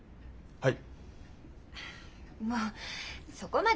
はい。